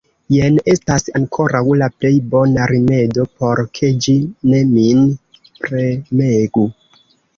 Jen estas ankoraŭ la plej bona rimedo, por ke ĝi ne min premegu.